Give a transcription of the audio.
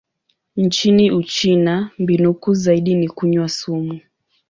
Nchini Uchina, mbinu kuu zaidi ni kunywa sumu.